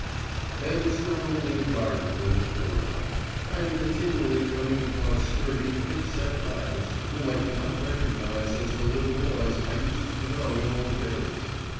And it's not only the garden that has grown up: I am continually coming across sturdy, thick set lads, whom I cannot recognise as the little boys I used to know in old days.